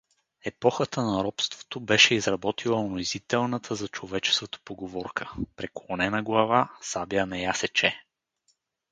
Епохата на робството беше изработила унизителната за човечеството поговорка: „Преклонена глава сабя не сече.“